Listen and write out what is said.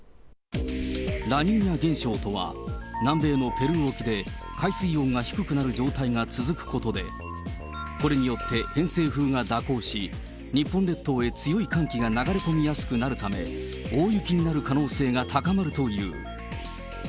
ラニーニャ現象とは、南米のペルー沖で海水温が低くなる状態が続くことで、これによって、偏西風が蛇行し、日本列島へ強い寒気が流れ込みやすくなるため、大雪になる可能性が高まるという。